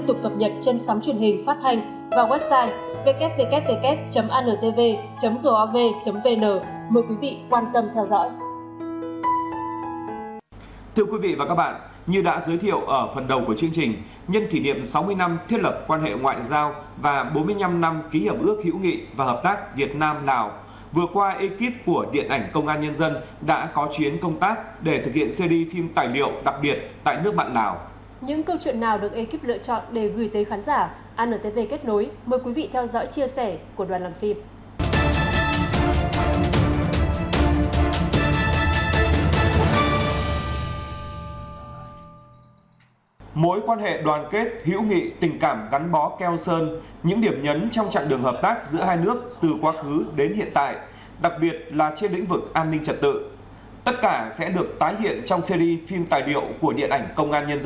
trong phim tài liệu đặc biệt này ekip của điện ảnh công an nhân dân đã họp bàn đưa ra những ý tưởng và phương án cụ thể cho chuyến công tác